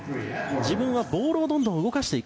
自分はボールをどんどん動かしていく。